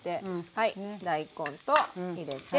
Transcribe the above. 大根と入れて。